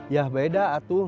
ya beda atuh